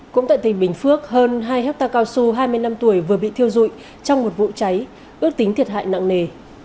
cũng tại tỉnh bình phước hơn hai hectare cao su hai mươi năm tuổi vừa bị thiêu dụi trong một vụ cháy ước tính thiệt hại nặng nề